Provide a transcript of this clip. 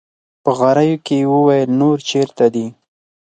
په غريو کې يې وويل: نور چېرته دي؟